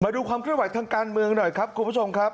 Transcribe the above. ดูความเคลื่อนไหวทางการเมืองหน่อยครับคุณผู้ชมครับ